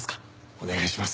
お願いします。